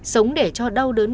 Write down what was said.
sống để cho đau đớn